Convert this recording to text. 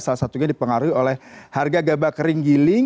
salah satunya dipengaruhi oleh harga gabak kering giling